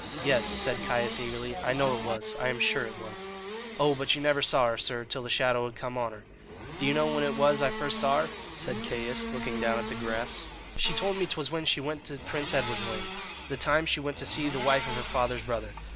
"Yes," said Caius eagerly, "I know it was I am sure it was." "Oh, but you never saw her, sir, till the shadow had come on her." "Do you know when it was I first saw her?" said Caius, looking down at the grass. "She told me 'twas when she went to Prince Edward's Land, the time she went to see the wife of her father's brother.